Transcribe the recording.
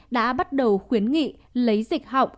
đã bắt đầu khuyến nghị lấy dịch họng